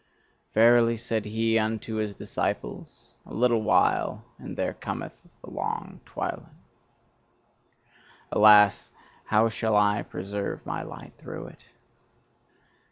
Verily, said he unto his disciples, a little while, and there cometh the long twilight. Alas, how shall I preserve my light through it!